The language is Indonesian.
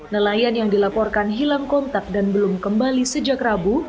nelayan yang dilaporkan hilang kontak dan belum kembali sejak rabu